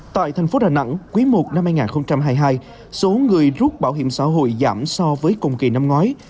tại thành phố đà nẵng quý i năm hai nghìn hai mươi hai số người rút bảo hiểm xã hội giảm so với cùng kỳ năm ngoái